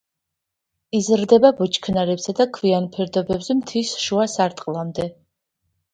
იზრდება ბუჩქნარებსა და ქვიან ფერდობებზე მთის შუა სარტყლამდე.